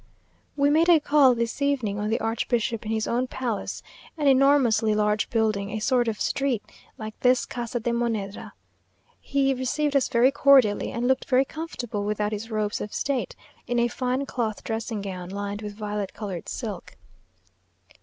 We made a call this evening on the archbishop in his own palace, an enormously large building; a sort of street, like this Casa de Moneda. He received us very cordially, and looked very comfortable without his robes of state, in a fine cloth dressing gown, lined with violet coloured silk.